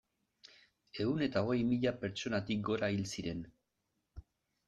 Ehun eta hogei mila pertsonatik gora hil ziren.